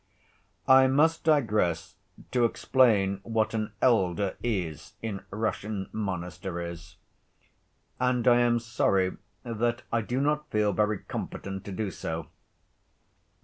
I must digress to explain what an "elder" is in Russian monasteries, and I am sorry that I do not feel very competent to do so.